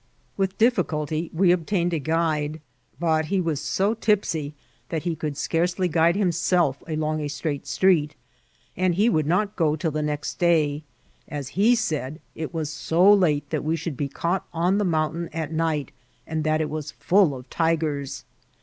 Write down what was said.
With difficulty we obtained a guide, but he was so tipsy that he could scarcely guide himself along a straight street ; and he would not go till the next day^ as he said it was so late that we should be caught on the mountain at night, and that it was full of tigers.